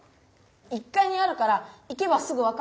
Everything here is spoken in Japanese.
１かいにあるから行けばすぐ分かるよ。